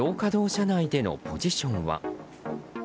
社内でのポジションは。